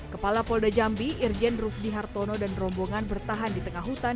kepala polda cambi irjen rusdi hartono dan rombongan bertahan di tengah hutan